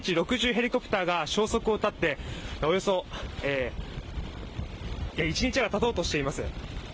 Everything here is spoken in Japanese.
ヘリコプターが消息を絶って１日が経とうとしています。